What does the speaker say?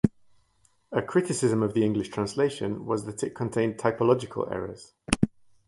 A criticism of the English translation was that it contained typological errors.